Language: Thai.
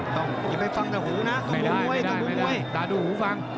ต้องยังไม่ฟังแต่หูนะก็มุ่ยตราดูหูฟัง